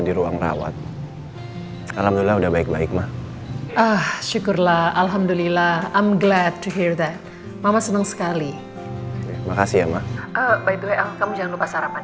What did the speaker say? dan nanti mama juga nungguin lo